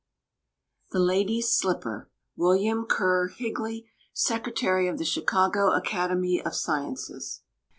THE LADY'S SLIPPER. WILLIAM KERR HIGLEY, Secretary of The Chicago Academy of Sciences.